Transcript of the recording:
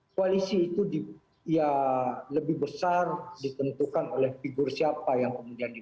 koalisi itu ya lebih besar ditentukan oleh figur siapa yang kemudian di